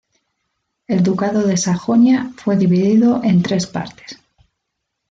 El ducado de Sajonia fue dividido en tres partes.